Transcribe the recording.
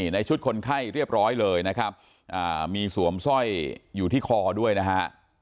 ในชุดคนไข้เรียบร้อยเลยนะครับมีสวมสร้อยอยู่ที่คอด้วยนะฮะ